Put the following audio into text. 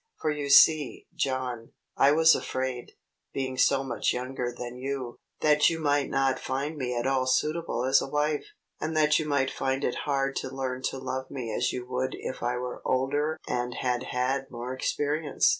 For you see, John, I was afraid, being so much younger than you, that you might not find me at all suitable as a wife, and that you might find it hard to learn to love me as you would if I were older and had had more experience.